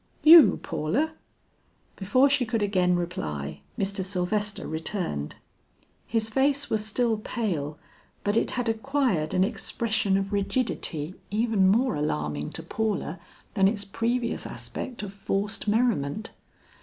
"You, Paula?" Before she could again reply, Mr. Sylvester returned. His face was still pale, but it had acquired an expression of rigidity even more alarming to Paula than its previous aspect of forced merriment.